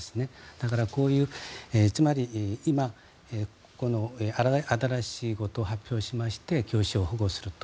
だから、つまり今新しいことを発表しまして教師を保護すると。